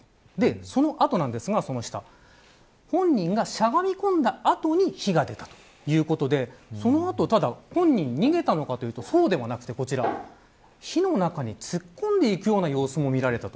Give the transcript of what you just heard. そのあと、本人がしゃがみこんだ後に火が出たということでその後、本人は逃げたのかというとそうではなくて火の中に突っ込んでいくような様子も見られたと。